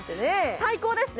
最高ですね。